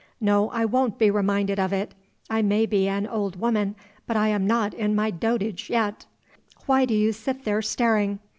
No, I won't be reminded of it. I may be an old woman, but I am not in my dotage yet! Why do you sit there staring?